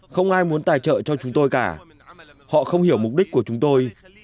không ai muốn tài trợ cho chúng tôi cả họ không hiểu mục đích của chúng tôi